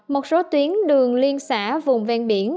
một số tuyến đường liên xã vùng ven biển